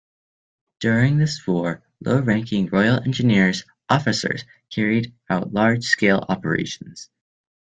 During this war low ranking Royal Engineers officers carried out large scale operations.